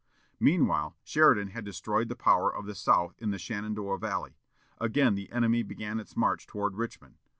Meanwhile Sheridan had destroyed the power of the South in the Shenandoah valley. Again the army began its march toward Richmond.